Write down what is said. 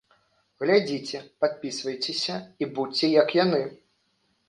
Глядзіце, падпісвайцеся і будзьце як яны!